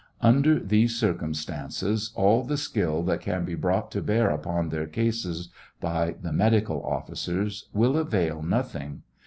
Under these circumstances, all the skill that can be brought to bear upon their cases by the medical officers will avail nothing.